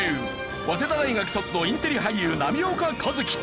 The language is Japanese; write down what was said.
早稲田大学卒のインテリ俳優波岡一喜。